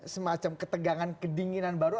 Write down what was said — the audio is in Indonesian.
semacam ketegangan kedinginan baru